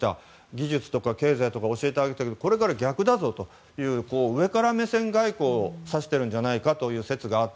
技術や経済を教えてあげてきたけどこれから逆だぞという上から目線外交を指しているんじゃないかということで。